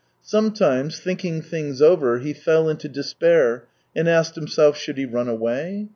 Sometimes, think ing things over, he fell into despair and asked him self: should he run away